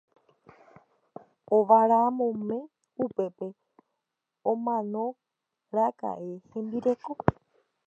Ovaramóme upépe omanoraka'e hembireko.